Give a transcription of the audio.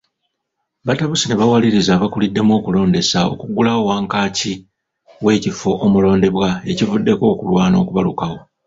Batabuse ne bawaliriza abakuliddemu okulondesa okuggulawo wankaaki w’ekifo omulondebwa ekivuddeko okulwana okubalukawo.